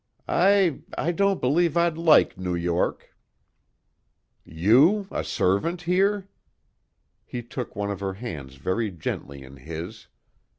"I I don't believe I'd like New York." "You, a servant here?" He took one of her hands very gently in his.